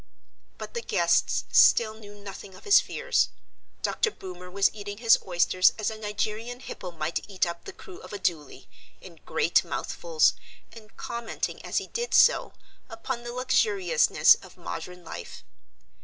But the guests still knew nothing of his fears. Dr. Boomer was eating his oysters as a Nigerian hippo might eat up the crew of a doolie, in great mouthfuls, and commenting as he did so upon the luxuriousness of modern life.